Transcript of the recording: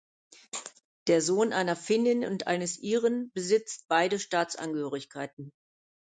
Der Sohn einer Finnin und eines Iren besitzt beide Staatsangehörigkeiten.